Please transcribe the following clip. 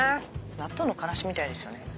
納豆のカラシみたいですよね。